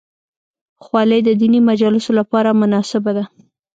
خولۍ د دیني مجالسو لپاره مناسبه ده.